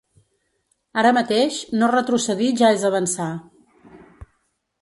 Ara mateix, no retrocedir ja és avançar.